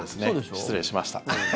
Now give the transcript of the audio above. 失礼しました。